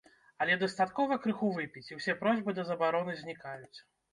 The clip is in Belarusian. Але дастаткова крыху выпіць, і ўсе просьбы ды забароны знікаюць.